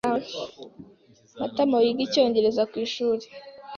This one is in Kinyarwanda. Matamawiga Icyongereza ku ishuri.